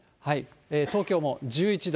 東京も１１度。